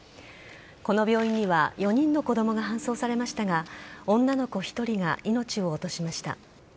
この病院には４人の子どもが搬送されましたが、女の子１人が命を落としました。